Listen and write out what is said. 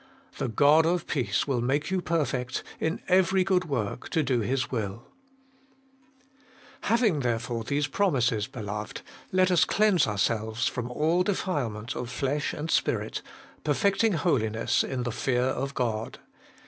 'The God of peace make you perfect in every good work to do His will' ' Having therefore these promises, beloved, let us cleanse ourselves from all defilement of flesh and spirit, perfecting holiness in the fear of God.'